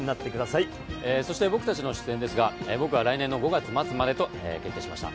そして僕たちの出演ですが僕は来年５月までとなりました。